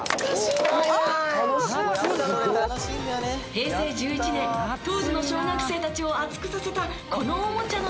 平成１１年当時の小学生たちを熱くさせたこれはいけるよ。